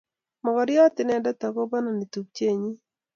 Mokoriot inendet ako pononi tupchennyi